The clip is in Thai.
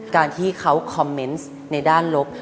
การที่เขาคอมเมนต์ในด้านลบ